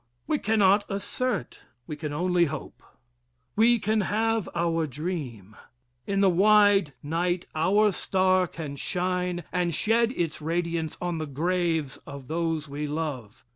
We cannot assert, we can only hope. We can have our dream. In the wide night our star can shine and shed its radiance on the graves of those we love.